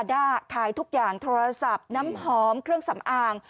ขายทุกอย่างโทรศัพท์น้ำหอมเครื่องสำอาง